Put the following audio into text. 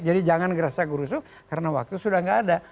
jadi jangan gerasak gerusuk karena waktu sudah enggak ada